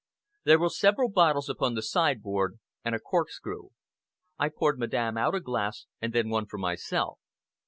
There were several bottles upon the sideboard, and a corkscrew. I poured Madame out a glass and then one for myself.